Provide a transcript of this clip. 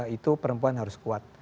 itu perempuan harus kuat